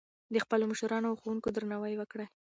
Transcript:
د خپلو مشرانو او ښوونکو درناوی وکړئ.